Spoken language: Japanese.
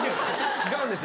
違うんですよ